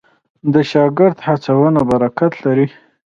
د شاګرد هڅونه برکت لري.